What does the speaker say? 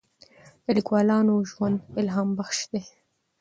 د لیکوالانو ژوند الهام بخش دی.